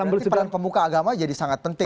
berarti peran pemuka agama jadi sangat penting